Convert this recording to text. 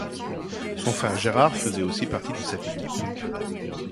Son frère Gérard faisait aussi partie de cette équipe.